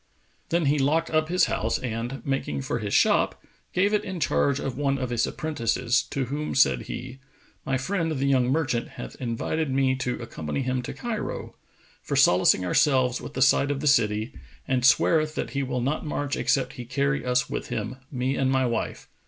" Then he locked up his house and, making for his shop, gave it in charge of one of his apprentices to whom said he, "My friend the young merchant hath invited me to accompany him to Cairo, for solacing ourselves with the sight of the city, and sweareth that he will not march except he carry us with him, me and my wife.